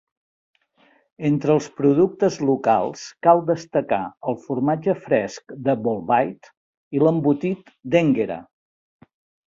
Entre els productes locals cal destacar el formatge fresc de Bolbait i l'embotit d'Énguera.